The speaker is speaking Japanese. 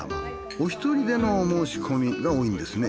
お一人でのお申し込みが多いんですね。